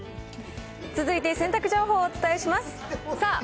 続いて洗濯情報をお伝えします。